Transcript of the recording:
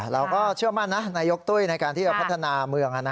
เราก็เชื่อมั่นนะนายกตุ้ยในการที่จะพัฒนาเมือง